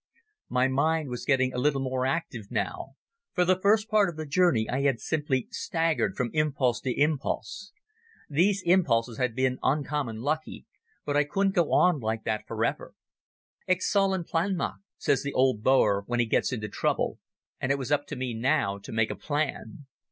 My mind was getting a little more active now; for the first part of the journey I had simply staggered from impulse to impulse. These impulses had been uncommon lucky, but I couldn't go on like that for ever. Ek sal "n plan maak, says the old Boer when he gets into trouble, and it was up to me now to make a plan.